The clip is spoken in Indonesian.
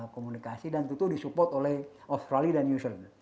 komunikasi dan itu disupport oleh australia dan new zealand